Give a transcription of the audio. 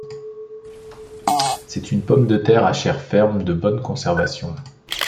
C'est une pomme de terre à chair ferme, de bonne conservation.